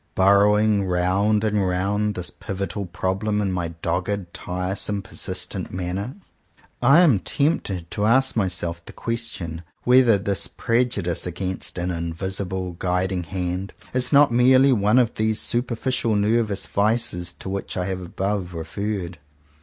Burrowing round and round this pivotal problem, in my dogged, tiresome, persist ent manner, I am tempted to ask myself the question whether this prejudice against an invisible Guiding Hand is not merely one of those superficial nervous vices to which I have above referred.